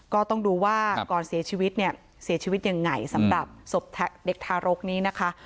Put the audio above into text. ก็ต้องดูว่าก่อนเสียชีวิตเนี่ยเสียชีวิตเสียชีวิตยังไงสำหรับศพเด็กทารกนี้นะคะ